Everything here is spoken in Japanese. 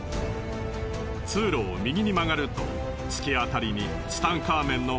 通路を右に曲がると突き当たりに。